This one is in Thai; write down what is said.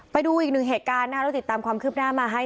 ไปดูอีกหนึ่งเหตุการณ์นะคะเราติดตามความคืบหน้ามาให้